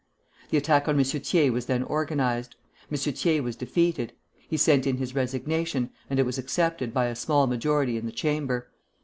The attack on M. Thiers was then organized. M. Thiers was defeated. He sent in his resignation, and it was accepted by a small majority in the Chamber.